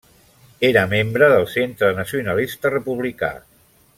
Era membre del Centre Nacionalista Republicà.